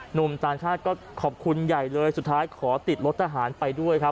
หนุ่มต่างชาติก็ขอบคุณใหญ่เลยสุดท้ายขอติดรถทหารไปด้วยครับ